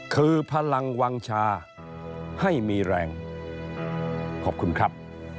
คือพลังวางชาให้มีแรงขอบคุณครับ